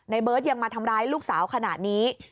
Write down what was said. เบิร์ตยังมาทำร้ายลูกสาวขนาดนี้